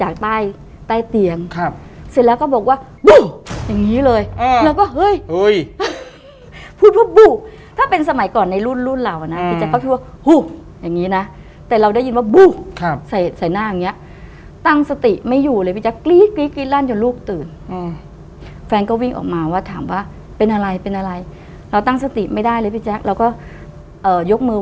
ใต้ใต้เตียงครับเสร็จแล้วก็บอกว่าบู้อย่างงี้เลยเราก็เฮ้ยพูดว่าบู้ถ้าเป็นสมัยก่อนในรุ่นรุ่นเราอ่ะนะพี่แจ๊คเขาคิดว่าอย่างนี้นะแต่เราได้ยินว่าบู้ครับใส่ใส่หน้าอย่างเงี้ยตั้งสติไม่อยู่เลยพี่แจ๊กกรี๊ดกรี๊ดลั่นจนลูกตื่นแฟนก็วิ่งออกมาว่าถามว่าเป็นอะไรเป็นอะไรเราตั้งสติไม่ได้เลยพี่แจ๊คเราก็เอ่อยกมือ